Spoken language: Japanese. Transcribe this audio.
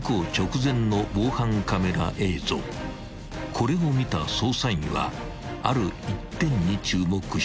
［これを見た捜査員はある一点に注目した］